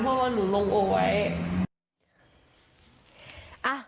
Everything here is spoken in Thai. เพราะว่าหนูลงเอาไว้